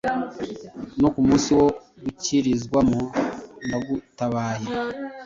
no ku munsi wo gukirizwamo ndagutabaye ;